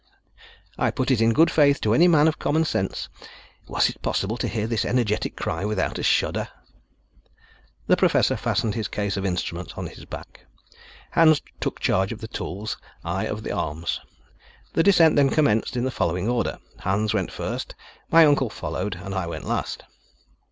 I put it in good faith to any man of common sense was it possible to hear this energetic cry without a shudder? The Professor fastened his case of instruments on his back. Hans took charge of the tools, I of the arms. The descent then commenced in the following order: Hans went first, my uncle followed, and I went last.